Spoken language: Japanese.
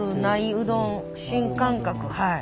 うどん新感覚はい。